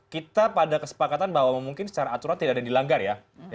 kita pada kesepakatan bahwa mungkin secara aturan tidak ada yang dilanggar ya